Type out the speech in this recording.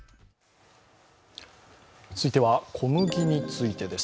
続いては小麦についてです。